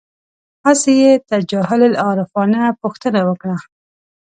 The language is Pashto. هسې یې تجاهل العارفانه پوښتنه وکړه.